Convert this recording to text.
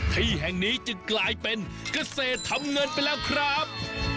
ที่แห่งนี้จึงกลายเป็นเกษตรทำเงินไปแล้วครับ